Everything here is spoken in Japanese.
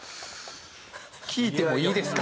聞いてもいいですか？